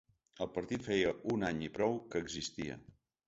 El partit feia un any i prou que existia.